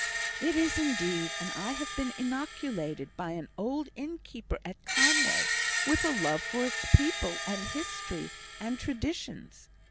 "It is, indeed; and I have been inoculated by an old innkeeper at Conway with a love for its people, and history, and traditions.